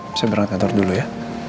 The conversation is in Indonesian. masih berangkat atur dulu ya